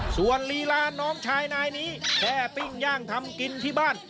ส่วนลีลาน้องชายนายนี้แค่ปิ้งย่างทำกินที่บ้าน